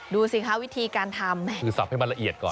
ดูสิคะวิธีการทำคือสับให้มันละเอียดก่อน